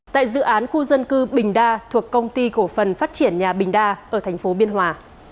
tại dự án khu dân cư bình đa thuộc công ty cổ phần phát triển nhà bình đa ở thành phố biên hòa